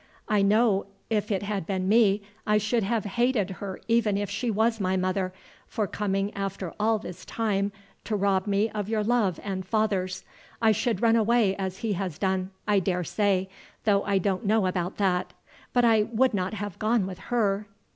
I know if it had been me I should have hated her even if she was my mother, for coming after all this time to rob me of your love and father's. I should run away as he has done, I daresay, though I don't know about that; but I would not have gone with her."